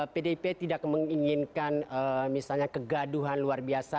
pdip tidak menginginkan misalnya kegaduhan luar biasa